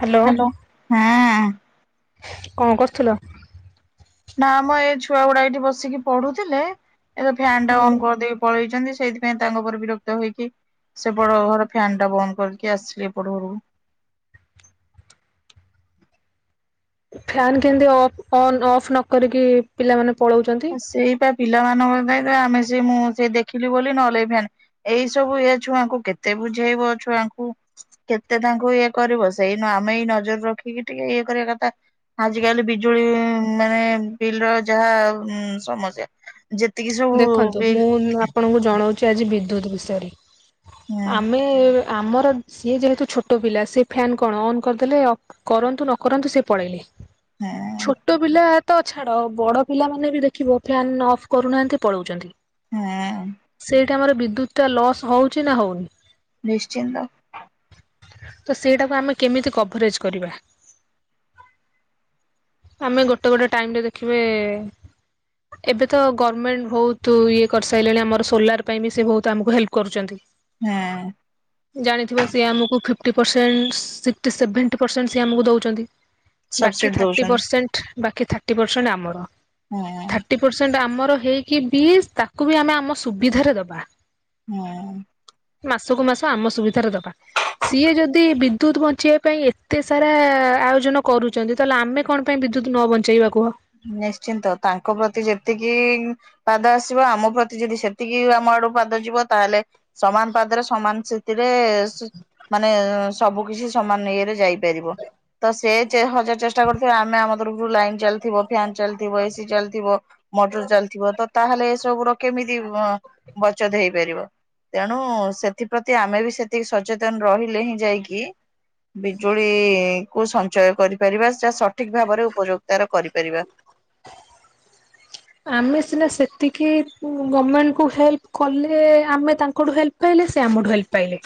Hello hello ହଁ। କଣ କରୁଥିଲ? ନା ମ ଏଇ ଛୁଆ ଗୁଡା ଏଇଠି ବସିକି ପଢୁଥିଲେ ଏ ଫ୍ୟାନ ଟା ଅନ୍ କରିଦେଇକି ପଳେଇଛନ୍ତି। ସେଇଥିପାଇଁ ତାଙ୍କ ଉପରେ ବିରକ୍ତ ହେଇକି ସେପଟ ଘର ଫ୍ୟନ୍ ଟା ବନ୍ଦ କରିକି ଆସିବି ଏପଟ ଘରକୁ। [inaudible] ଫ୍ୟନ୍ କେମିତି ଅଫ୍ ଅନ ଅଫ୍ ନ କରିକି ପିଲାମାନେ ପଳଉଛନ୍ତି। ସେଇ ପା ପିଲାମାନଙ୍କ ପାଇଁପା ଆମେ ସେ ମୁଁ ସେ ଦେଖିଲି ବୋଲି ନହେଲେ ଫ୍ୟାନ୍ ଏଇ ସବୁ ଛୁଆଙ୍କୁ କେତେ ବୁଝେଇବ ଛୁଆଙ୍କୁ କେତେ ତାଙ୍କୁ ଇଏ କରିବ ସେଇ ଆମେ ଏଇ ନଜର ରଖିକି ଟିକେ ଇଏ କର କଥା ଆଜି କାଲି ବିଜୁଳି ମାନେ ବିଲ୍ ର ଯାହା ହୁଁ ସମସ୍ୟା। ଯେତିକି ସବୁ ଦେଖନ୍ତୁ ବିଲ୍ ମୁଁ ଆପଣଙ୍କୁ ଜଣାଉ ଆଜି ବିଦ୍ୟୁତ ବିଷୟରେ ହୁଁ ଆମେ ଆମର ସିଏ ଯେହେତୁ ଛୋଟ ପିଲା ସେ ଫ୍ୟାନ୍ କଣ ଅନ୍ କରିଦେଲେ ଅଫ୍ କରନ୍ତୁ ନ କରନ୍ତୁ ସିଏ ପଳେଇଲେ। ହୁଁ। ଛୋଟ ପିଲା ତ ଛାଡ଼ ବଡ଼ ପିଲା ମାନେ ବି ଦେଖିବ ଫ୍ୟାନ ଅଫ୍ କରୁନାହାନ୍ତି। ପଳଉଛନ୍ତି ହଁ ସେଇଠି ଆମର ବିଦ୍ୟୁତ ଲସ୍ ହଉଚି ନା ହଉନି? ନିଶ୍ଚିନ୍ତ। ତ ସେଇଟାକୁ ଆମେ କେମିତି କଭରେଜ କରିବା? ଆମେ ଗୋଟେ ଗୋଟେ ଟାଇମ ରେ ଦେଖିବେ ଏବେ ତ ଗଭର୍ମେଣ୍ଟ ବହୁତ ଇଏ କରିସାରିଲାଣି ଆମର ସୋଲାର ପାଇଁ ବି ସେ ବହୁତ ଆମକୁ ହେଲ୍ପ କରୁଛନ୍ତି। ହଁ ଜାଣିଥିବ ସିଏ ଆମକୁ fifty percent sixty seventy percent ସିଏ ଆମକୁ ଦେଉଛନ୍ତି ବାକି ସବସିଡି ଥାର୍ଟି ଦଉଛନ୍ତି। ପରସେଣ୍ଟ ବାକି ଥାର୍ଟି ପରସେଣ୍ଟ ଆମର ହଁ ଥାର୍ଟି ପରସେଣ୍ଟ ଆମର ହେଇ କି ବି ତାକୁ ବି ଆମେ ଆମ ସୁବିଧାରେ ଦବା। ହୁଁ। ମାସକୁୁ ମାସ ଆମ ସୁବିଧାରେ ଦବା ସିଏ ଯଦି ବିଦ୍ୟୁତ ବଞ୍ଚେଇବା ପାଇଁ ଏତେ ସାରା ଆୟୋଜନ କରୁଛନ୍ତି ତାହେଲେ ଆମେ କଣ ପାଇଁ ବିଦ୍ୟୁତ ନ ବଞ୍ଚେଇବା କୁୁହ? ନିଶ୍ଚିନ୍ତ ତାଙ୍କ ପ୍ରତି ଯେତିକି ପାଦ ଆସିବ ଆମ ପ୍ରତି ଯଦି ସେତିକି ଆମ ଡୁ ପାଦ ଯିବ ତାହେଲେ ସମାନ ପାଦରେ ସମାନ ସେଥିରେ ମାନେ ସବୁ କିଛି ସମାନ ଇଏରେ ଯାଇପାରିବ ତ ସେ ହଜାର ଚେଷ୍ଟା କରୁଥିବେ ଆମେ ଆମ ତରଫରୁ ଲାଇନ ଚାଲିଥିବ ଫ୍ୟାନ ଚାଲିଥିବ ଏ ସି ଚାଲିଥିବ ମଟର ଚାଲିଥିବ ତ ତାହେଲେ ଏ ସବୁ ର କେମିତି ଅଁ ବ ଯଦି ହେଇପାରିବ। ତେଣୁ ସେଥିପ୍ରତି ଆମେ ବି ସେତିକି ସଚେତନ ରହିଲେ ହିଁ ଯାଇକି ବିଜୁଳି କୁ ସଞ୍ଚୟ କରିପାରିବା ଯା ସଠିକ ଭାବରେ ଉପଯୋଗିତା ର କରିପ ପାରିବା ଆମେ ସିନା ସେତିକି ଗମେଣ୍ଟ କୁ ହେଲ୍ପ କଲେ ଆମେ ତାଙ୍କଠୁ ହେଲ୍ପ ପାଇଲ ଲେ ସେ ଆମଠୁ ହେଲ୍ପ ପାଇଲେ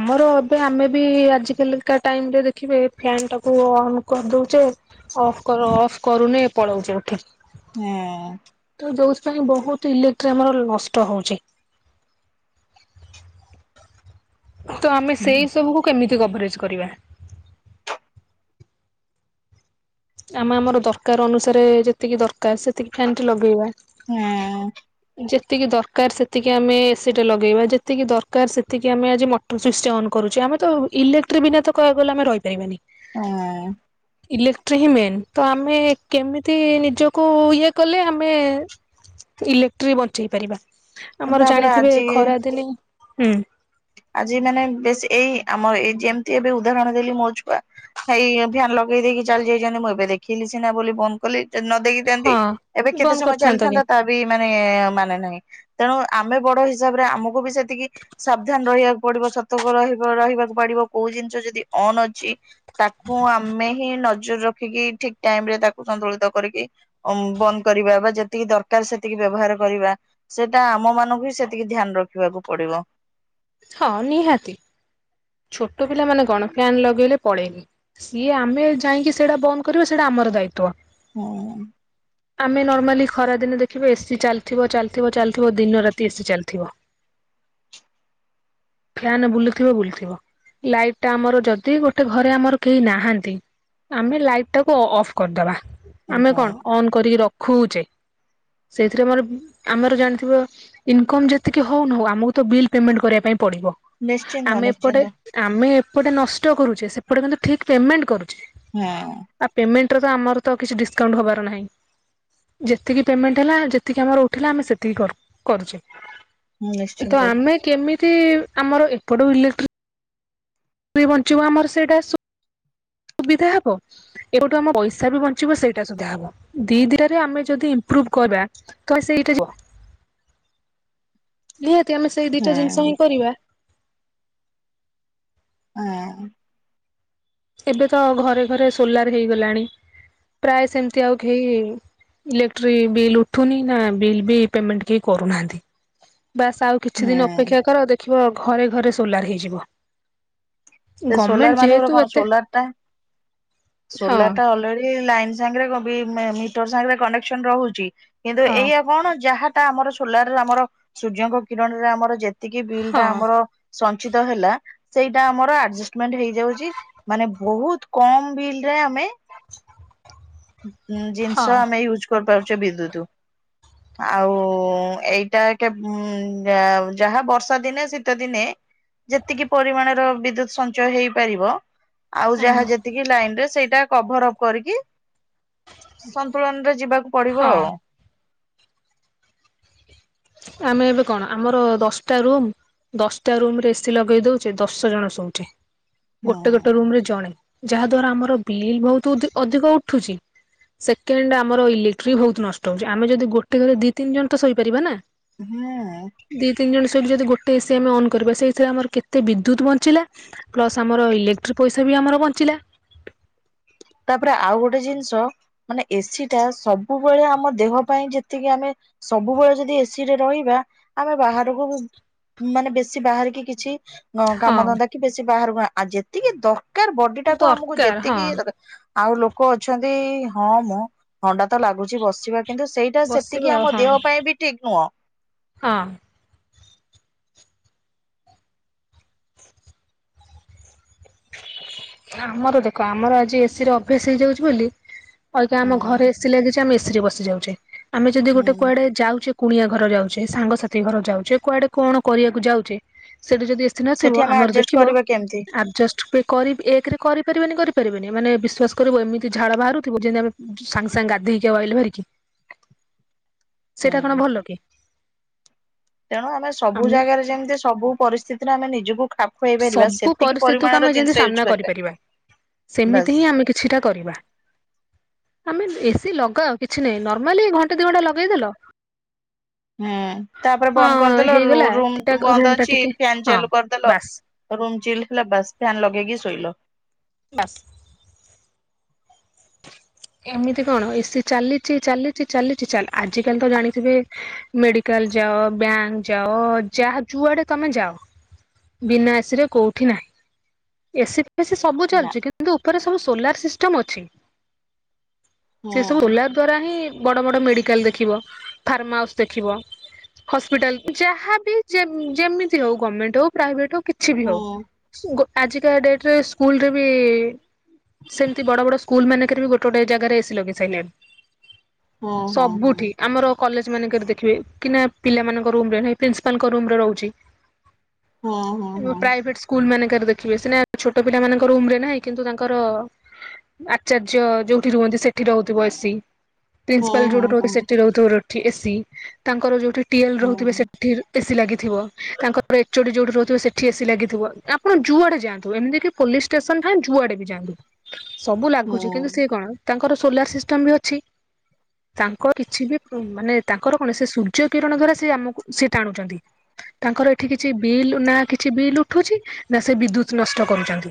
ଆମର ଏବେ ଆମେ ବି ଆଜି କାଲିକା ଟାଇମରେ ଦେଖିବେ ଫ୍ୟାନ ଟାକୁ ଅନ୍ କରିଦଉଚେ ଅଫ୍ କର ଅଫ୍ କରୁନେ ପଳଉଚେ ଉଠିକି ହଁ। ସେଥି ପାଇଁ ବହୁତ ଇଲେକ୍ଟ୍ରି ଆମର ନଷ୍ଟ ହଉଛି। ତ ଆମେ ହୁଁ। ସେଇ ସବୁକୁୁ କେମିତି କଭରେଜ କରିବା? ଆମେ ଆମର ଦରକାର ଅନୁସାରେ ଯେତିକି ଦରକାର ସେତିକି ଫ୍ୟାନଟି ଲଗେଇବା ନାଉଁ ଯେତିକି ଦରକାର ସେତିକି ଆମେ ଏ ସି ଟେ ଲଗେଇବା ଯେତିକି ଦରକାର ସେତିକି ଆମେ ଆଜି ମଟର ସ୍ଵିଚ ଅନ୍ କରୁ। ଚେ ଆମେ ତ ଇଲେକ୍ଟ୍ରି ବିନା ତ କହିବାକୁ ଗଲେ ଆମେ ରହିପାରିବାନି। ଆଁ। ଟ୍ରି ହିଁ ମେନ୍ ତ ଆମେ କେମିତି ନିଜକୁ ଇଏ କଲେ ଆମେ ଇଲେକ୍ଟ୍ରି ବଞ୍ଚେଇ ପାରିବା ହୁଁ ଆମର ତାପରେ ଜାଣିଥିବେ ଆଜି ଖରା ଦେଲେ ଇଁ ହୁଁ ଆଜି ମାନେ ବେଶ ଏଇ ଆମ ଏଇ ଯେମିତି ଏବେ ଉଦାହରଣ ଦେଲି ମୋ ଛୁଆ ଭାଇ ଫ୍ୟାନ ଲଗେଇ ଦେଇକି ଚାଲି ଯାଇଛନ୍ତି ମୁଁ ଏବେ ଦେଖିଲି ଛିିନା ବୋଲି ବନ୍ଦ କଲେ ନ ଦେଖିଥାନ୍ତି ହଁ ଏବେ କେତେ ବନ୍ଦ ସମୟ କରିଥାନ୍ତ କି ଚାଲିଥାନ୍ତା ତା ବି ମାନେ ମାନେ ନାହିଁ ତେଣୁ ଆମେ ବଡ ହିସାବରେ ଆମକୁ ବି ସେତିକି ସବ ପାଡ଼ିବ କୋଉ ଜିନିଷ ଯଦି ଅନ୍ ଅଛି, ତାକୁ ଆମେ ହିଁ ନଜର ରଖିକି ଠିକ ଟାଇମ ରେ ତାକୁ ସନ୍ତୁଳିତ କରିକି ଅମ ବନ୍ଦ କରିବା ବା ଯେତିକି ଦରକାର ସେତିକି ବ୍ୟବହାର କରିବା ସେ ସେଟା ଆମ ମାନଙ୍କୁ ହି ସେତିକି ଧ୍ୟାନ ରଖିବାକୁ ପଡିବ। ହଁ ନିହାତି। ଛୋଟ ପିଲା ମାନେ କଣ ଫ୍ୟାନ ଲଗେଇଲେ ପଳେଇଲେ ସିଏ ଆମେ ଯାଇକି ସେଇଟା ବନ୍ଦ କରିବା ସେଇଟା ଆମ ର ଦାୟିତ୍ୱ ହୁଁ। ଆମେ ନର୍ମାଲି ଖରାଦିନେ ଦେଖିବେ ଏସିି ଚାଲିଥିବ ଚାଲିଥିବ ଚାଲିଥିବ ଦିନ ରାତି ଏସିି ଚାଲିଥିବ ଫ୍ୟାନ ବୁଲୁଥିବ ବୁଲଥିବ। ଲାଇଟ ଟା ଆମର ଯଦି ଗୋଟେ ଘରେ ଆମର କେହି ନାହାନ୍ତି। ଆମେ ଲାଇଟ୍ ଟାକୁ ଅ-ଅଫ୍ କରିଦବା ଆମେ କଣ ଅନ୍ କରିକି ରଖୁଚେ ସେଥିରେ ଆମର ଆମର ଜାଣିଥିବ ଇନକମ ଯେତିକି ହଉ ନ ହଉ ଆମକୁ ତ ବିଲ ପେମେଣ୍ଟ କରିବା ପାଇଁ ପଡିବ ନିଶ୍ଚିନ୍ତ ଆମେ ଏପଟେ ନିଶ୍ଚିନ୍ତ ଆମେ ଏପଟେ ନଷ୍ଟ କରୁଛେ ସେପଟେ କିନ୍ତୁ ଠିକ ପେମେଣ୍ଟ କରୁ ହୁଁ। ତ ଆମର ତ କିଛି ଡିସକାଉଣ୍ଟ ହବାର ନାହିଁ। ଯେତିକି ପେମେଣ୍ଟ ହେଲା ଯେତିକି ଆମର ଉଠିଲା ଆମେ ସେତିକି କରୁ କରୁଛେ ତ ନିଶ୍ଚିନ୍ତ। ଆମେ କେମିତି ଆମର ଏପଟୁ ଇଲେକ୍ଟ୍ରି ବଞ୍ଚିବ ଆମର ସେଇଟା ସୁ ସୁବିଧା ହବ ଏପଟୁ ଆମ ପଇସା ବି ବଞ୍ଚିବ ସେଇଟା ସୁବିଧା ହବ ଦି ଦିଟାରେ ଆମେ ଯଦି ଇ ପ୍ରୁଭ କରବା ତ ସେଇଟା ଯିବ ନିହା ଆମେ ସେଇ ଦିଟା ଜିନିଷ ହିଁ କରିବା। ହଁ। ଏବେ ତ ଘରେ ଘରେ ସୋଲାର ହେଇଗଲାଣି ପ୍ରାୟ ସେମିତି ଆଉ କେହି ଇଲେକ୍ଟ୍ରି ବିଲ୍ ଉଠୁନି ନା ବିଲ୍ ବି ପେମେଣ୍ଟ କିଏ କରୁନାହାନ୍ତି। ବାସ୍ ଆଉ କିଛି ଦିନ ଅପେକ୍ଷା କର ଦେଖିବ ଘରେ ଘରେ ସୋଲାର ହେଇଯିବ ସେ ସୋଲାର ଗମେଣ୍ଟ ମାଧ୍ୟମରେ ଯେହେତୁ କଣ ଏ ସୋଲାର ଟା ହଁ ସୋଲାର ଟା ଆଲରେଡି ଲାଇନ୍ ସାଙ୍ଗ ରେ କଣ କି ମିଟର୍ ସାଙ୍ଗ ରେ କନେସନ ରହୁଛି କିନ୍ତୁ ହଁ ଏଇ କଣ ଯହା ଏଇଟା ଆମର ସୋଲାର ରେ ଆମର ସୂର୍ଯ୍ୟଙ୍କ କିରଣ ରେ ଆମର ଯେତିକି ବିଲ୍ ହଁ ଟା ଆମର ସନ ସଞ୍ଚିତ‌ ହେଲା ସେଇଟା ଆମର ଆ ଅଧୂମେଣ୍ଟ ହୋଉଛି ମାନେ ବହୁତ ବିଲ୍ ରେ ଆମେ ଜିନିଷ ହଁ ଆମେ ୟୁଜ୍ କରିପାରୁଛେ ବିଦ୍ୟୁତ ଆଉ ଏଇଟା କେ ଯାହା ବର୍ଷା ଦିନେ ଶୀତ ଦିନେ ଯେତିକି ପରିମାଣର ବିଦ୍ୟୁତ ସଞ୍ଚୟ ହେଇପାରିବ ଆଉ ହଁ ଯାହା ଯେତିକି ଲାଇନରେ ସେଇଟା କଭର ଅପ କରିକି ସନ୍ତୁଳନରେ ଯିବାକୁ ପଡିବ ହଁ ଆଉ ଆମେ ଏବେ କଣ ଆମର ଦଶଟା ରୁମ୍ ଦଶଟା ରୁମ ରେ ଏସିି ଲଗେଇ ଦଉଛେ ଦଶ ଜଣ ଶୋଛେ ଗୋଟେ ଗୋଟେ ହୁଁ ରୁମ ରେ ଜଣେ ଯାହା ଦ୍ଵାରା ଆମର ବିଲ୍ ବହୁତ ଅଧିକ ଉଠୁଛି ସେକେଣ୍ଡ ଆମର ଇଲେକ୍ଟ୍ରି ବହୁତ ନଷ୍ଟ ହଉଛି, ଆମେ ଯଦି ଗୋଟେ ଘରେ ଦି ତିନି ଜଣ ତ ଶୋଇପାରିବା ନା ହୁଁ। ଦି ତିନି ଜଣ ଶେଇକି ଯଦି ଗୋଟେ ଏସି ଆମେ ଅନ୍ କରିବା ସେଇଥିରେ ଆମର କେତେ ବିଦ୍ୟୁତ୍ ବଞ୍ଚିଲା ପ୍ଲସ୍ ଆମର ଇଲେକ୍ଟ୍ରିକ୍ ପଇସା ବି ଆମର ବଞ୍ଚିଲା ତାପରେ ଆଉ ଗୋଟେ ଜିନିଷ ମାନେ ଏସି ଟା ସବୁବେଳେ ଆମ ଦେହ ପାଇଁ ଯେତିକି ଆମେ ସବୁବେଳେ ଯଦି ଏସିରେ ରହିବା ଆମେ ବାହାରକୁ ମାନେ ବେଶୀ ବାହାରିକି କିଛି ହଁ କାମ ଧନ୍ଦା କି ବେଶୀ ବାହାରୁ ଆ ଯେତିକି ଦରକାର ଦରକାର ବଡି ଟାକୁ ଆମକୁ ଦରକାର ହଁ ଯେତିକି ଦରକାର ଆଉ ଲୋକ ଅଛନ୍ତି, ହଁ ମୁଁ ଥଣ୍ଡା ତ ଲାଗୁଛି ବସିବା କିନ୍ତୁ ସେଇଟା ବସିବା ସେତିକି ଆଉ ଆମ ହଁ ଦେହ ପାଇଁ ବି ଠିକ୍ ନୁହଁ। ହଁ ଆମର ଦେଖ ଆମର ଆଜି ଏସି ରେ ଅଭ୍ୟାସ ହେଇଯାଉଛି ବୋଲି ଆଜ୍ଞା ଆମ ଘରେ ହୁଁ ଏସିି ଲାଗିଛି ଆମେ ଏସି ରେ ବସି ଯାଉେ ଆମେ ଯଦି ଗୋଟେ ହୁଁ କୁଆଡେ ଯାଉଛେ କୁଣିଆ ଘର ଯାଉଛେ ସାଙ୍ଗସାଥି ଘର ଯାଉଛେ କୁଆଡେ କଣ କରିବାକୁ ଯାଉଛେ ସେଇଠି ଯଦି ଏସି ନଥିବ ସେଠି ଆମେ ଆମର ଆଡଜଷ୍ଟ ଦେଖିବ କରିବା କେମିତି ଆଡଜଷ୍ଟ କର କରିପାରିବେନି କରିପାରିବେନି ମାନେ ବିଶ୍ୱାସ କରିବ ଏମିତି ଝାଳ ବାହାରୁଥିବ ଯେମିତି ଆମେ ସାଙ୍ଗେ ସାଙ୍ଗେ ଗାଧୋଇ ହେକି ଆଇଳେ ହେରିକି ସେଟା କଣ ହୁଁ। ଭଲ କି? ତେଣୁ ଆମେ ସବୁ ଜାଗାରେ ଯେମିତି ସବୁ ପରିସ୍ଥିତିରେ ଆମେ ନିଜ ସବୁ ପରିସ୍ଥିତିକୁ ଆମେ ଯେମତି ଜିନିଷ ୟୁଜ ସାମ୍ନା କରିବା କରିପାରିବା ସେମିତି ବାସ୍। ହିଁ ଆମେ କିଛିଟା କରିବା ଆମେ ଏସିି ଲଗାଅ କିଛି ନାହିଁ ନର୍ମାଲି ଘଣ୍ଟା ଦିଇ ଘଣ୍ଟା ଲଗେଇଦେଲ ହୁଁ ତାପରେ ବନ୍ଦ ହଁ କରିଦେଲ ହେଇଗଲା ଠିକ୍ ରୁମ ଠାକ୍ ରୁମ୍ ବନ୍ଦ ଟା ଅଛି, ଟିକେ ଫ୍ୟାନ ହଁ ଚାଲୁ କରିଦେଲ ବାସ୍ ହେଲୋ ରୋମ୍ ଚାଇଲ୍ଡ ହେଲା ବାସ୍ ଫ୍ୟାନ ଲଗେଇକି ଶୋଇଲ ବାସ୍ [inaudible] ଏମିତି କଣ ଏସି ଚାଲିଛି ଚାଲିଛି ଚାଲିଛି ଆଜିିକାଲି ତ ଜାଣିଥିବେ ମେଡିକାଲ ଯାଅ ବ୍ୟାଙ୍କ ଯାଅ ଯାହା ଯୁଆଡେ ତମେ ଯାଅ ବିନାସ ରେ କୋଉଠି ନାହିଁ ଏସି ସବୁ ନା। ଚାଲଛି କିନ୍ତୁ ଉପରେ ସବୁ ସୋଲାର ସିଷ୍ଟମ ଅଛି। ସେ ସବୁ ମାନେ ସୋଲାର ଦ୍ଵାରା ହିଁ ବଡ ବଡ ମେଡିକାଲ ଦେଖିବ ଫାର୍ମା ହାଉସ ଦେଖିବ ହସ୍ପିଟାଲ ଯାହାବ ଯେମିତି ହଉ ଗଭର୍ମେଣ୍ଟ ହଉ ପ୍ରାଇଭେଟ ହଉ କିଛି ବି ହଉ ଗୋଟେ ଆଜିକା ଡେଟ ରେ ସ୍କୁଲରେ ବି ସେମତି ବଡ ବଡ ସ୍କୁଲ ମାନେ ପା ଗୋଟେ ଗୋଟେ ଜାଗାରେ ଏସି ଲଗେଇ ସାରିଲେଣି ସବୁଠି ଆମର କଲେଜ ମାନଙ୍କରେ ଦେଖିବେ କି ନା ପିଲାମାନଙ୍କ ରୁମ ରେ ନଁ ପ୍ରିନ୍ପାଲ ରୁମରେ ରହୁଛି। ଯୋଉ ପ୍ରାଇଭେଟ ସ୍କୁଲ ମାନେ କ ଦେଖ୍ ଖିବେ ସିନା ଛୋଟ ପିଲାମାନଙ୍କ ରୁମ ରେ ନାହିଁ। କିନ୍ତୁ ତାଙ୍କର ଆ ଆଚାର୍ଯ୍ୟ ଯୋଉଠି ରୁହନ୍ତି ସେଠି ରହୁଥିବ ଏ ସି। ପ୍ରିନ୍ସିପାଲ ଯୋଉଠି ରୁହନ୍ତି ସେଠି ରହୁଥିବ। ଗୋଟ ଠି ଏ ସିି। ତାଙ୍କର ଯୋଉଠି ଟିଏଲ ରହୁଥିବେ ସେଠି ଏ ସି ଲାଗି ଥିବ ତାଙ୍କ ପ ଏଚ ଓ ଡି ଯୋଉଠି ରହୁଥିବ ସେଠି ଏ ସି ଲାଗିଥିବ। ଆପଣ ଯୁଆଡେ ଯାଆନ୍ତୁ ଏମିତିକି ପୋଲିସ ଷ୍ଟେସନ ନାଁ ଯୁଆଡେ ବି ଯାଆନ୍ତୁ। ସବ୍ ଉଛି କିନ୍ତୁ ସିଏ କଣ ତାଙ୍କର ସୋଲାର ସିଷ୍ଟମ ବି ଅଛି। ତାଙ୍କ କିଛି ବି ଉ ମାନେ ତାଙ୍କର କଣ ସିଏ ସୂର୍ଯ୍ୟ କିରଣ ଦ୍ଵାରା ସିଏ ଆମକୁ ସିଏ ଟାଣୁଚନ୍ତି। ତାଙ୍କର ଏଠି କିଛି ବିଲ୍ ନା କିଛି ବିଲ୍ ଉଠୁଛି ନା ସେ ବିଦ୍ୟୁତ୍ ନଷ୍ଟ କରୁଚନ୍ତି।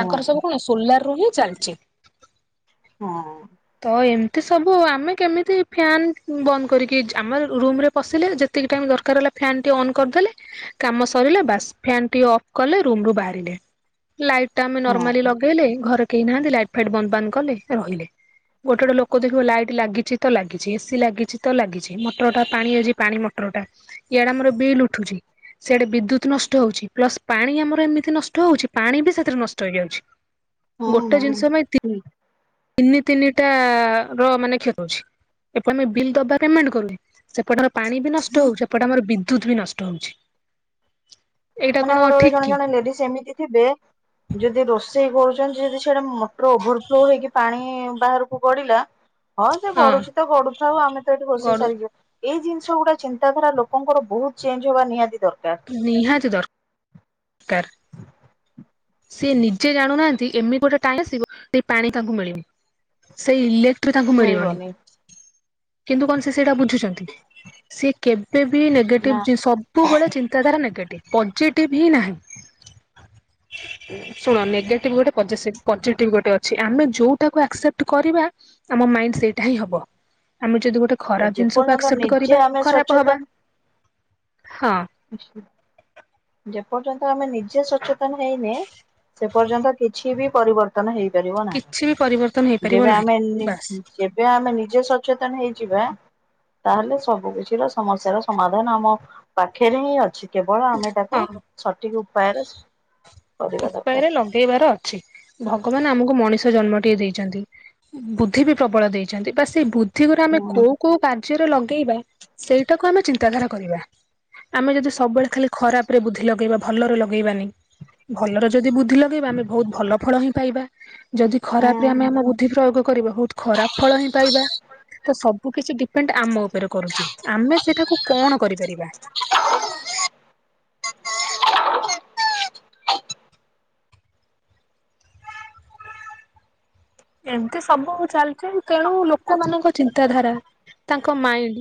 ତାଙ୍କର ସବୁ କଣ ସୋଲାର ରୁ ହିଁ ଚାଲିଚି। ହଁ। ଏତେ ସବୁ ଆମେ କେମିତି ଫ୍ୟାନ୍ ବନ୍ଦ କରିକି ଆମ ରୁମ ରେ ପଶିଲେ ଯେତିକି ଟାଇମ ଦରକାର ହେଲା। ଫ୍ୟାନ ଟିଏ ଅନ୍ କରିଦେଲେ କାମ ସରିଲା ବାସ୍ ଫ୍ୟାନ୍ ଟି ଅଫ୍ କଲେ ରୁମ ରୁ ବାହାରିଲେ। ଲାଇଟ୍ ଟା ଆମେ ନର୍ମାଲି ଲଗେଇଲେ ଘରେ କେହି ନାହାନ୍ତି ଲାଇଟ୍ ଫାଇଟ୍ ବନ୍ଦ ବାନ୍ଦ କଲେ ରହିଲେ। ଗୋଟେ ଗୋଟେ ଲୋକ ଦେଖିବ ଲାଇଟ୍ ଲାଗିଛି ତ ଲାଗିଛି ଏ ସି ଲାଗିଛି ତ ଲାଗିଛି ମଟର ଟା ପାଣି ଆଜି ପାଣି ମଟର ଟର ଟା ଇଆଡେ ଆମର ବିଲ୍ ଉଠୁଛି। ସିଆଡେ ବିଦ୍ୟୁତ୍ ନଷ୍ଟ ହଉଚି ପ୍ଲସ ପାଣି ଆମର ଏମିତି ନଷ୍ଟ ହଉଚି ପାଣି ବି ସେଥିରେ ନଷ୍ଟ ହେଇଯାଉଚି। ଗୋଟେ ଜିନିଷ ପାଇଁ ତି ତିନି ତିନିଟା ର ମାନେ କ୍ଷ ଉଚି। ଏକୁ ଆମେ ବିଲ୍ ଦବା ପେମେଣ୍ଟ କରୁ ସେପଟରେ ପାଣି ବି ନଷ୍ଟ ହଉଚି ଏପଟେ ଆମର ବିଦ୍ୟୁତ୍ ବି ନଷ୍ଟ ହଉଚି। ମାନେ ଗୋଟେ ଗୋଟେ ଜଣେ ଜଣେ ଲେଡିଜ୍ ଏମିତି ଥିବେ ଯଦି ରୋଷେଇ କରୁଚ ଚନ୍ତି ଯଦି ସାଡେ ମଟର ଓଭରଫ୍ଲୋ ହେଇକି ପାଣି ବାହାରକୁ ଗଡିଲା ହଁ ସେ ଗଡୁଚି ତ ଗଢୁଥାଉ ଆମେ ତ ଏଠି ରୋଷେଇ ଗଡୁ ସାରିଚୁ। ଏଇ ଜିନିଷ ଗୁଡା ଚିନ୍ତା ଚିନ୍ତାଧାରା ଲୋକଙ୍କର ବହୁତ ଚେଞ୍ଜ ହବା ନିହାତି ଦର ନିହାତି ଦର ଏର୍ ସିଏ ନିଜେ ଜାଣୁନାହାନ୍ତି ଏମିତି ଗୋଟେ ଟାଇମ୍ ଆସିବ ସେ ପାଣି ତାଙ୍କୁ ମିଳିବନି। ସେଇ ଇଲେକ୍ଟ୍ରୀ ତାଙ୍କୁ ମିଳିବନି। କିନ୍ତୁ କଣ ସେ ସେଇଟା ବୁଝୁଚନ୍ତି। ସିଏ କେବେ ବି ନା ନେଗେଟିଭ ସବୁବେଳେ ଚିନ୍ ହଁ ନେଗେଟିଭ ପଜେଟିଭ ହିଁ ନାହିଁ। ଶୁଣ ନେଗେଟିଭ ଗୋଟେ ଫେସିପ ପଜେଟିଭ ଗୋଟେ ଅଛି। ଆମେ ଯୋଉଟାକୁ ଆକ୍ସେପ୍ଟ କରିବା ଆମ ମାଇଣ୍ଡ ସେଇଟା ହିଁ ହବ। ଆମେ ଯଦି ଗୋଟେ ଖରାପ ଜିନିଷକୁ ଯେପର୍ଯ୍ୟନ୍ତ ଆକ୍ସେପ୍ଟ ନିଜେ କରିବା ଆମେ ଖରାପ ହବା। ହଁ ଜ୍ ଯେପର୍ଯ୍ୟନ୍ତ ଆମେ ନିଜେ ସଚେତ ତନ୍ ହେଇନି। ସେ ପର୍ଯ୍ୟନ୍ତ କିଛି ବି ପରିବର୍ତ୍ତନ ହେଇ କିଛି ବି କରି ଯେବେ ଆମେ ନି ଯେବେ ଆମେ ନିଜେ ସଚେତନ ହେଇଯିବା। ତାହେଲେ ସବୁ କିଛି ର ସମସ୍ୟାର ସମାଧାନ ଆମ ପାଖରେ ହିଁ ଅଛି। କେବଳ ଆମେ ତାକୁ ହଁ। ସଠିକ୍ ଉପାୟରେ କରିବା ଦରକାର। ଉପାୟରେ ଲଗେଇବାର ଅଛି। ଭଗବାନ ଆମକୁ ମଣି ଷ ଜନ୍ମଟିଏ ଦେଇଚନ୍ତି ବୁଦ୍ଧି ବି ପ୍ରବଳ ଦେଇଚନ୍ତି। ବା ସେ ବୁଦ୍ଧି ଗୁରା ଆମେ କୋଉ କୋଉ କା ର୍ଯ୍ୟ ରେ ଲଗେଇବା ସେଇଟାକୁ ଆମେ ଚିନ୍ତାଧାରା କରିବା। ଆମେ ଯଦି ସବୁବେଳେ ଖାଲି ଖରାପ ରେ ବୁଦ୍ଧି ଲଗେଇବା ଭଲରେ ଲଗେଇବାନି। ଭଲରେ ଯଦି ବୁଦ୍ଧି ଲଗେଇବା ଆମେ ବହୁତ ଭଲ ଫଳ ହିଁ ପାଇବା। ଯଦି ଖରାପ ରେ ଆମେ ହୁଁ ଆମ ବୁଦ୍ଧି ପ୍ରୟୋଗ କରିବା ବହୁତ ଖରାପ ଫଳ ହିଁ ପାଇବା। ତ ସବ୍ ବୁ କିଛି ଡିପେଣ୍ଡ ଆମ ଉପରେ କରୁଚି। ଆମେ ସେଠାକୁ କଣ କରିପାରିବା? [inaudible] [inaudible] ଏମିତି ସବୁ ଚାଲିଚ। ତେଣୁ ଲୋକମାନଙ୍କ ହୁଁ। ଚିନ୍ତାଧାରା ତାଙ୍କ ମାଇଣ୍ଡ